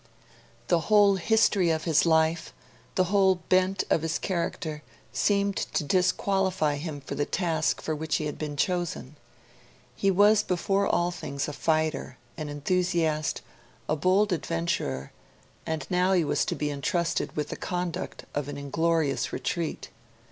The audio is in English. The whole history of his life, the whole bent of his character, seemed to disqualify him for the task for which he had been chosen. He was before all things a fighter, an enthusiast, a bold adventurer; and he was now to be entrusted with the conduct of an inglorious retreat.